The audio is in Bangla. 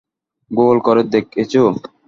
গুগল করে দেখেছো?